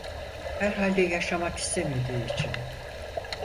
Herhalde yaşamak istemediği için.